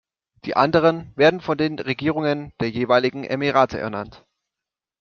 Die anderen werden von den Regierungen der jeweiligen Emirate ernannt.